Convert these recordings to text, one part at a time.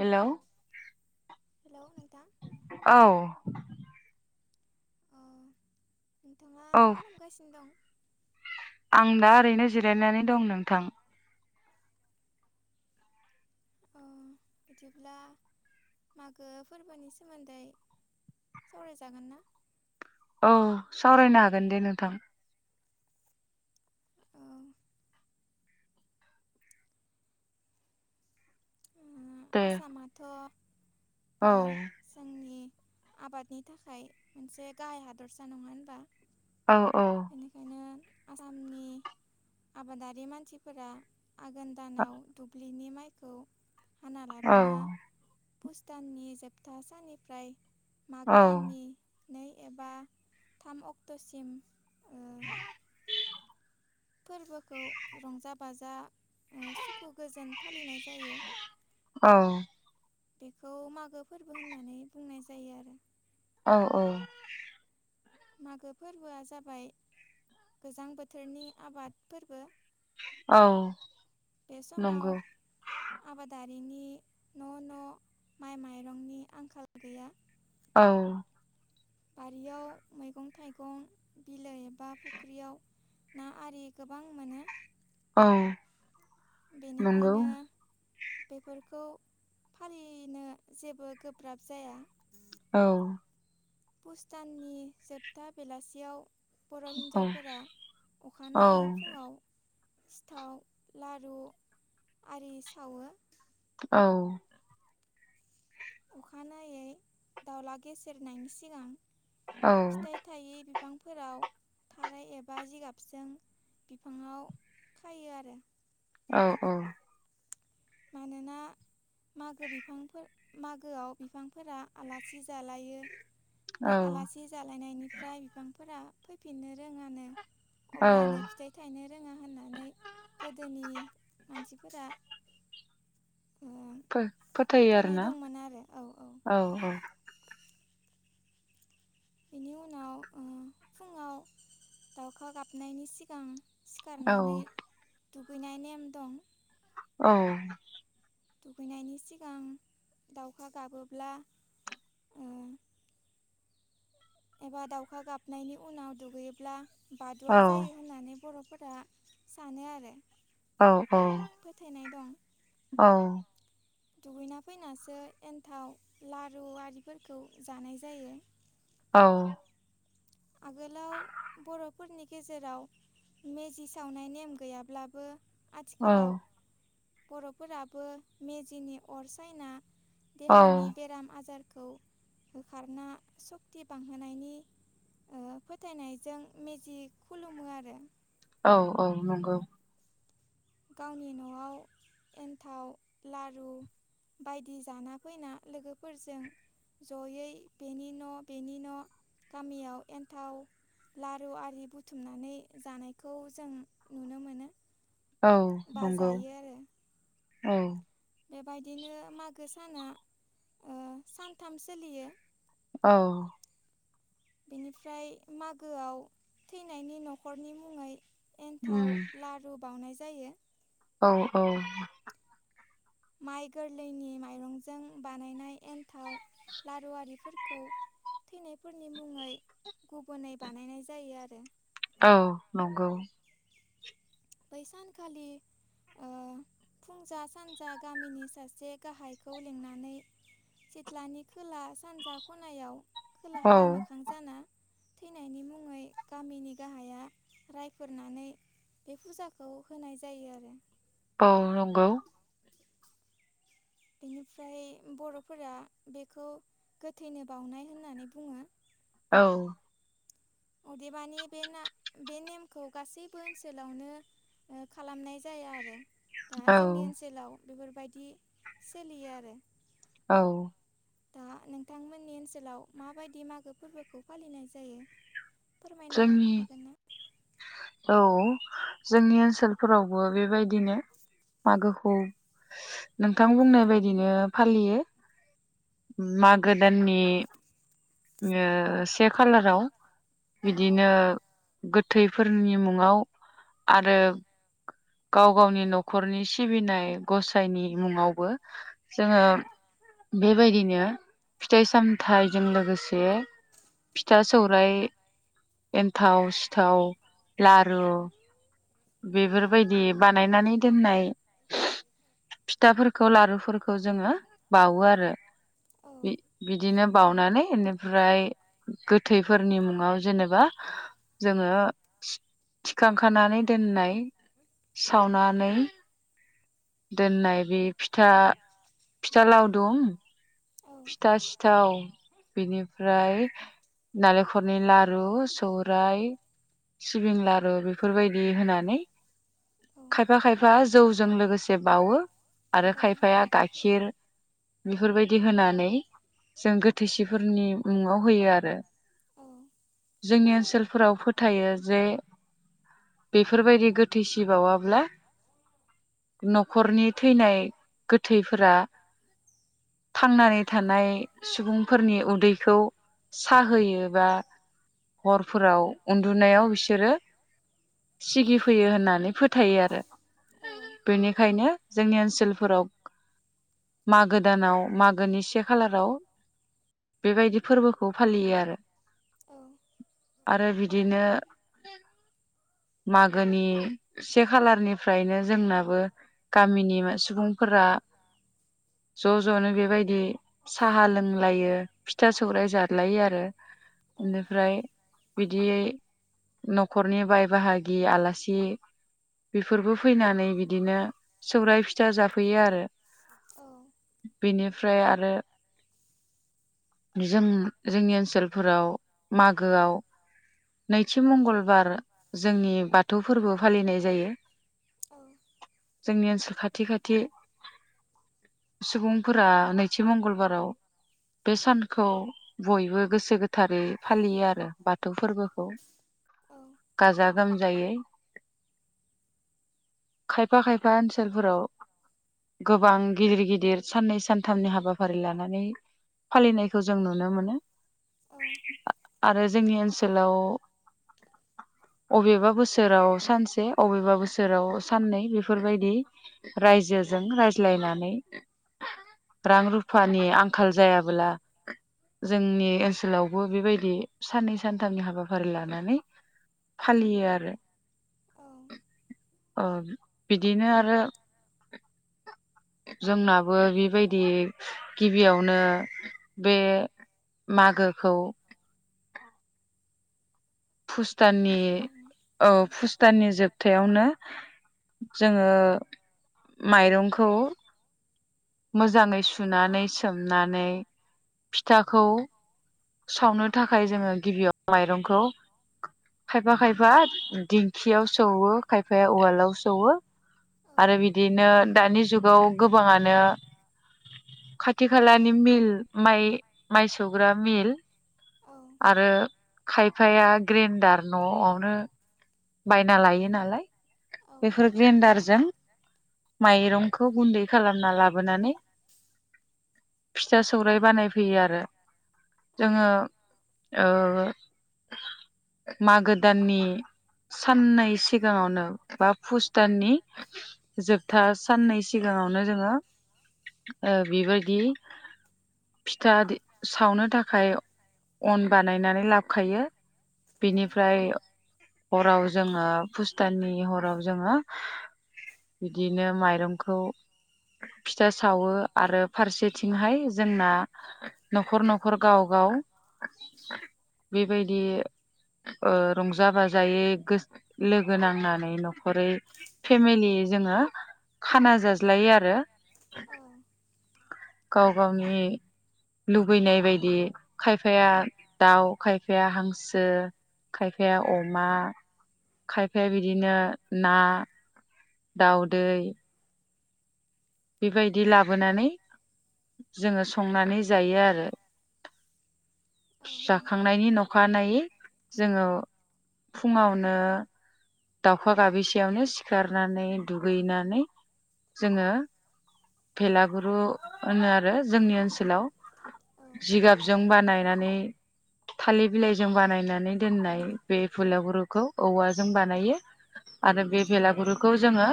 Hello hello नोंथां औ अ नोंथाङा औ मा खालामगासिनो दं? आं दा ओरैनो जिरायनानै दं नोंथां अ बिदिब्ला मागो फोरबोनि सोमोन्दै सावराय जागोनना अह सावरायनो हागोन दे नोंथां औ दे आसामाथ औ ओ जोंनि आबादनि थाखाय मोनसे गाहाय हादरसा नङा होनबा औ औ बेनिखायनो आसामनि आबादारि मानसिफोरा आघोन दानाव दुब्लि दुब्लि नि माइखौ हाना औ लाबोना पुस दाननि जोबथा साननिफ्राय माग औ दाननि नै एबा थाम अक्टसिम ओ फोरबोखौ रंजा बाजा ओ सुखु गोजोन फालिनाय जायो। औ बेखौ मागो फोरबो होननानै बुंनाय जायो आरो। औ औ मागो फोरबोआ जाबाय गोजां बोथोरनि आबाद फोरबो औ बे समाव नंगौ आबादारि रिनि न न माइ माइरंनि आंखाल गैया। औ बारियाव मैगं थाइगं बिलो एबा फुख्रियाव ना आरि गोबां मोनो। औ नंगौ बेनिखायनो बेफोरखौ फालिनो जेबो गोब्राब जाया। औ पुस दाननि जोबथा बेलासियाव बर औ हिन्जावफोरा औ अखानायै फुङाव सिथाव लारु आरि सावो। औ अखानायै दावला गेसेेरनायनि सिगां फिथाइ थायै बिफांफोराव थाराय एबा जिगाबजों बिफाङाव खायो आरो। औ औ मानोना मागो बिफांफोर मागोआव बिफांफोरा आलासि जालायो। बे औ आलासि जालायनायनिफ्राय बिफांफोरा फैफिननो रोङानो। औ अब्लानो फिथाइ थायनो रोङा होननानै गोदो गोदोनि मानसिफोरा ओ फो फोथायो आरो फोथायनाय ना दंमोन आरो औ औ औ बेनि उनाव ओ फुङाव दाउखा गाबनायनि सिगां औ सिखारनानै दुगैनाय नेम दं औ दुगैनायनि सिगां दाउखा गाबोब्ला उम एबा दाउखा गाबनायनि उनाव दुगैयोब्ला बादुआ औ जायो होननानै बरफोरा सानो आरो। औ औ फोथायनाय दं औ दुगैना फैनासो एन्थाव लारु आरिफोरखौ जानाय जायो। औ आगोलाव बर'फोरनि गेजेराव मेजि सावनाय नेम गैयाब्लाबो आथिखालाव बर'फोराबो मेजिनि अर सायना औ औ देहानि बेराम आजार खौ होखारना सक्ति बांहोनायनि ओ फोथायनायजों मेजि खुलुमो आरो। औ-औ नंगौ। गावनि न'आव एन्थाव लारु बायदि जाना फैना लोगोफोरजों। जयै बेनि न' बेनि न' गामियाव एन्थाव लारु आरि बुथुमनानै जानायखौ जों नुनो मोनो। औ बा नंगौ जायो आरो औ। बेबायदिनो मागो साना ओ सानथाम सोलियो। औ बिनिफ्राय मागोआव थैनायनि न'खरनि मुङै, उम एन्थाव लारु बाउनाय जायो। औ औ। माइ गोरलैनि माइरंजों बानायनाय एन्थाव, लारु आरिफोरखौ, थैनायफोरनि मुङै गुबुनै बानायनाय जायो आरो। औ नंगौ। बैसान खालि ओ फुंजा सानजा गामिनि सासे गाहायखौ लिंनानै, सिथ्लानि खोला सानजा खनायाव औ खोलाहा मोखां जाना थैनायनि मुङै गामिनि गाहाया रायफोरनानै, बे फुजाखौ होनाय जायो आरो। औ नंगौ। बेनिफ्राय बर'फोरा बेखौ गोथैनो बावनाय होननानै बुङो। औ। अदेबानि बेना बे नेमखौ गासैबो ओनसोलावनो ओ खालामनाय जाया आरो। दा औ जोंनि ओनसोलाव बेफोरबायदि सोलियो आरो। औ। दा नोंथांमोननि ओनसोलाव माबायदि मागो फोरबोखौ फालिनाय जायो। फोरमायनो जोंनि हागोना? औ जोंनि ओनसोलफोरावबो बेबायदिनो, मागोखौ नोंथां बुंनाय बायदिनो फालियो। मागो दाननि ओ से खालाराव औ बिदिनो गोथैफोरनि मुङाव आरो गाव गावनि न'खरनि सिबिनाय गसायनि मुङावबो जोङो [unintelligible] बेबायदिनो फिथाइ सामथाइजों लोगोसे फिथा सौरायाइ एन्थाव सिथाव लारु बेफोरबायदि बानायनानै दोननाय फिथाफोरखौ लारुफोरखौ जोङो बावो आरो। आरो आरो बिदिनो बानानै बेनिफ्राय गोथैफोरनि मुं आव जेनेबा जोङो थि खांखानानै दोननाय सावनानै, दोननाय बे फिथा फिथा लावदुम फिथा, सिथाव बेनिफ्राय नालेंखलनि लारु, सौराय सिबिं लारु बेफोरबायदि होनानै, खायफा खायफा जौजों लोगोसे बावो आरो खायफाया गाइखेर, बेफोरबायदि होनानै जों गोथैसिफोरनि मुङाव होयो आरो आरो बेफोरबायदि बेनि जोंनि ओनसोलफोराव फोथायो जे, बेफोरबायदि गोथैसि बावाब्ला, न'खरनि थैनाय गोथैफोरा थांनानै, नै सुबुंफोरनि उदैखौ साहोयोबा, हरफोराव उन्दुनायाव बिसोरो सिगिफैयो होनो। होननानै फोथायो आरो थाखायनो बेनिखायनो जोंनि ओनसोलफोराव, मागो दानाव मागोनि से खालाराव बेबायदि फोरबोखौ फालियो आरो आरो बिदिनो [inaudible] मागोनि से खालारनिफ्रायनो जोंनाबो गामिनि सुबुंफोरा [inaudible] ज' ज'नो बेबायदि साहा लोंलायो, फिथा, सौराइ जालायो आरो बेनिफ्राय बिदियै न'खरनि बाय बाहागि आलासि बेफोरबो फैनानै बिदिनो सौराय, फिथा जाफैयो आरो बेनिफ्राय आरो जों जोंनि ओनसोलफोराव मागोआव नैथि मंगलबार जोंनि बाथौ फोरबो फालिनाय जायो। जोंनि ओनसोल खाथि खाथि सुबुंफोरा नैथि मंगलबाराव बे सानखौ बयबो गोसो गोथारै फालियो आरो बाथौ फोरबो गाजा गोमजायै। खायफा खायफा ओनसोलफोराव गोबां गिदिर गिदिर साननै सान सथामनि हाबाफारि लानानै फालिनायखौ जों नुनो मोनो आरो जोंनि ओनसोलाव [inaudible] अबेबा बोसोराव सानसे अबेबा बोसोराव साननै बेफोरबायदि रायजो जों रायज्लायनानै रां रुफानि आंखाल जायाबोला जोंनि ओनसोल सोलावबो बेबायदि साननै, सानथामनि हाबा फारि लानानै फालियो आरो औ ओ, बिदिनो आरो जोंनाबो बेबायदि गिबियावनो बे मागोखौ फुस दाननि फालिनाय जायो औ आरोना फुस दाननि जोबथायानो जोङो माइरंखौ मोजाङै सुनानै सोमनानै फिथाखौ सावनो थाखाय जोङो गिबियाव माइरंखौ खायफा खायफा दिंखियाव सौवो खायफाया उवालाव सौवो। आरो बिदिनो दानि जुगाव गोबाङानो खाथि खालानि मिल माइ, माइ सौग्रा मिल औ आरो खायफाया ग्रेन्डार न'आवनो बायना लायो नालाय औ बेफोर ग्रेन्डारजों माइरंखौ गुन्दै खालामना लाबोनानै [inaudible] फिथा सौराय बानायफैयो आरो जोङो ओ मागो दाननि साननै सिगाङावनो बा फुस दाननि जोबथा साननै सिगां सिगाङावनो जोङो ओ बेबायद दि फिथा सावनो थाखाय अन बानायनानै लाबखायो औ औ बिनिफ्राय हाराव जोङो फुस दाननि हराव जोङो बिदिनो माइरंखौ फिथा सावो आरो फारसेथिंहाय जोंना न'खर न'खर गाव गाव गाव बेबायदि रंजा बाजा जायै गोस लोगो नांनानै न'खरै फेमिलि जोङो खाना जाज्लायो आरो औ बेनिफ्राय औ गाव गावनि लुबैनाय बायदि खायफाया दाउ खायफाया हांसो खायफाया अमा खायफाया बिदिनो ना दावदै बेबायदि लाबोनानै जोङो संनानै जायो आरो औ नंगौ जाखांनायनि नखानायैै जोङो फुङावनो दाउखा गाबिसेयावनो सिखारनानै दुगैनानै जोङो भेलागुरु होनो आरो जोंनि ओनसोलाव औ जिगाबजों बानायनानै थालिर बिलाइजों बानायनानै दोननाय बे बेलागुरुखौ जों बानाय आरो बे बेलागुरुखौ जोङो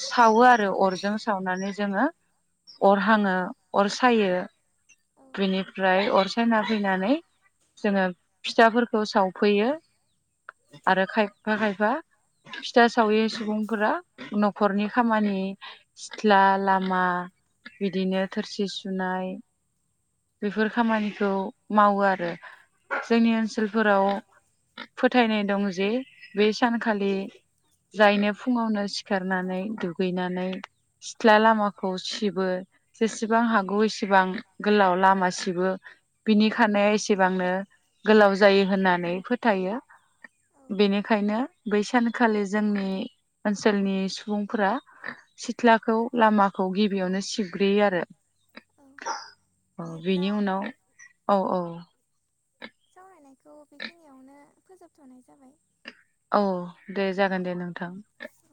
सावो आरो अरजों सावनानै जोङो अर हाङो अर सायो ओनसोलफोराव बिनिफ्राय अर सायना फैनानै जोङो फिथाफोरखौ सावफैयो आरो खायफा खायफा फिथा सावि सुबुंफोरा न'खरनि खामानि सिथ्ला लामा बिदिनो थोरसि सुनाय बेफोर खामानिखौ मावो आरो जोंनि ओनसोलफोराव फोथायनाय दं जे बे सानखालि जायनो फुङावनो सिखारनानै दुगैना नै जेसिसिथ्ला लामाखौ सिबो सेबां हागौ इसेबां गोलाव लामा सिबो बिनिखानाय एसेबांनो गोलाव लाव जायो होननानै फोथायो औ बेनिखायनो बै सानखालि जोंनि ओनसोलनि सु बुंफोरा सिथ्लाखौ लामाखौ गिबियावनो सिबग्रोयो आरो औ औ बेनि बिदिब्ला उनाव औ औ सावरायनायखौ बेखिनियावनो फोजोबथ'नाय जाबाय औ दे जागोन दे नोंथां ओ